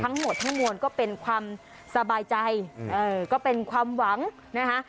ทั้งหมดทั้งมวลก็เป็นความสบายใจก็เป็นความหวังนะคะ